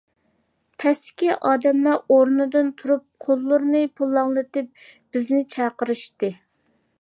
پەستىكى ئادەملەر ئورنىدىن تۇرۇپ، قوللىرىنى پۇلاڭلىتىپ بىزنى چاقىرىشتى.